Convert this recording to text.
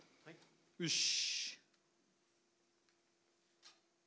よし。